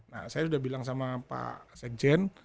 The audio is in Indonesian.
nah saya sudah bilang sama pak st jane